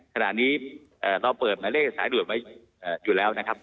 ขณะนี้เราเปิดหมายเลขสายด่วนไว้อยู่แล้วนะครับ